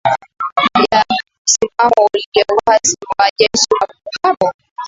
ya msimamo ulio wazi wa jeshi Hapo hapo